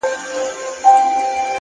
ځه خير دی تر سهاره به ه گوزاره وي!